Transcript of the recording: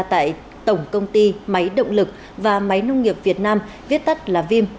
tại tổng công ty máy động lực và máy nông nghiệp việt nam viết tắt là vim